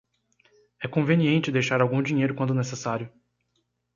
É conveniente deixar algum dinheiro quando necessário.